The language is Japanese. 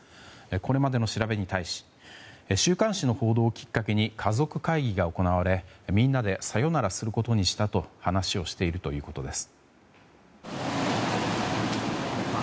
これまでの調べに対し週刊誌の報道をきっかけに家族会議が行われみんなでさよならすることにしたと話をしているということです。